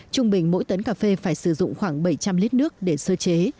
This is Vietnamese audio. trung bình mỗi tấn cà phê phải sử dụng khoảng bảy trăm linh lít nước để sơ chế